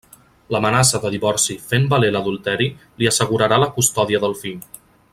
L'amenaça de divorci fent valer l'adulteri, li assegurarà la custòdia del fill.